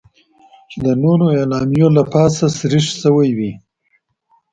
چې د نورو اعلامیو له پاسه سریښ شوې وې.